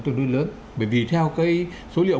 tương đối lớn bởi vì theo cái số liệu